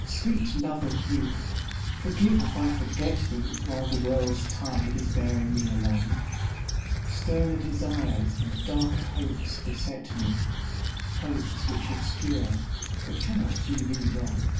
Sweet love of youth, forgive if I forget thee While the world's tide is bearing me along; Sterner desires and darker hopes beset me, Hopes which obscure but cannot do thee wrong.